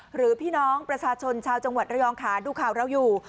หรือพี่น้องประชาชนชาวจังหวัดระยองค่ะดูข่าวเราอยู่